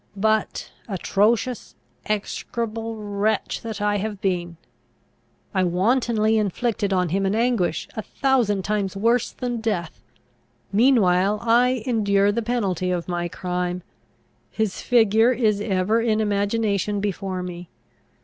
But, atrocious, execrable wretch that I have been! I wantonly inflicted on him an anguish a thousand times worse than death. Meanwhile I endure the penalty of my crime. His figure is ever in imagination before me.